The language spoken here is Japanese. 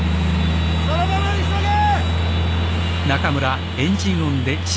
そのままにしとけ！